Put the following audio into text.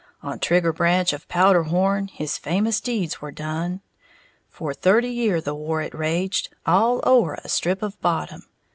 On Trigger Branch of Powderhorn His famous deeds were done. For thirty year' the war it raged All o'er a strip of bottom.